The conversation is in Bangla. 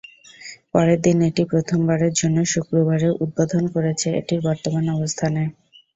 পরের দিন, এটি প্রথমবারের জন্য শুক্রবারে উদ্বোধন করেছে এটির বর্তমান অবস্থানে।